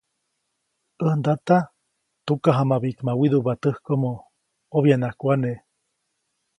‒ʼäj ndata tukajamabiʼkma widuʼpa täjkomo, obyaʼnaʼajk wane-.